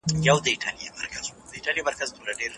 ولي د لاسنیوي احساس رواني خوښي رامنځته کوي؟